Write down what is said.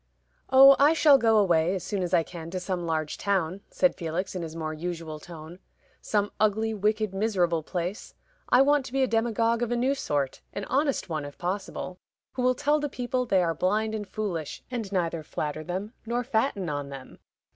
"Oh, I shall go away as soon as I can to some large town," said Felix, in his more usual tone "some ugly, wicked, miserable place. I want to be a demagogue of a new sort; an honest one, if possible, who will tell the people they are blind and foolish, and neither flatter them nor fatten on them.